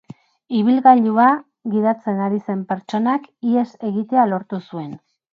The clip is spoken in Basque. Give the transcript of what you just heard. Ibilgailua gidatzen ari zen pertsonak ihes egitea lortu zuen.